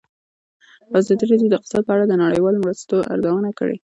ازادي راډیو د اقتصاد په اړه د نړیوالو مرستو ارزونه کړې.